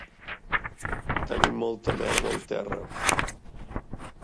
Tenir molta merda al terra.